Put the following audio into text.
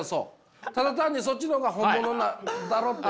ただ単にそっちの方が本物なんだろって。